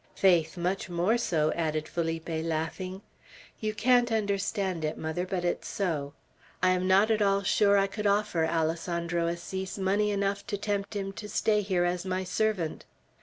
Faith, much more so!" added Felipe, laughing. "You can't understand it, mother, but it's so. I am not at all sure I could offer Alessandro Assis money enough to tempt him to stay here as my servant."